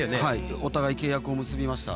お互い契約を結びました。